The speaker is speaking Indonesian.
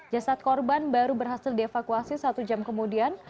jasad korban baru berhasil dievakuasi satu jam kemudian